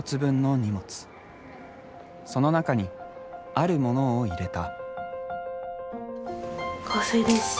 その中にあるモノを入れた。